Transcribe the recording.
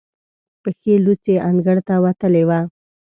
پښې لوڅې انګړ ته وتلې وه.